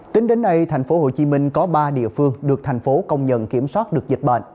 tính đến nay thành phố hồ chí minh có ba địa phương được thành phố công nhận kiểm soát được dịch bệnh